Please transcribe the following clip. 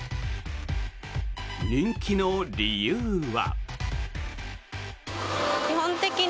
人気の理由は。